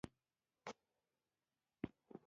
بیا یې وویل چې ماڼۍ او موږ ټول بیرته وطن ته یوسه.